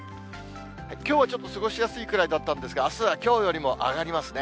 きょうはちょっと過ごしやすいくらいだったんですが、あすはきょうよりも上がりますね。